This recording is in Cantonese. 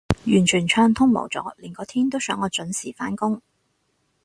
完全暢通無阻，連個天都想我準時返工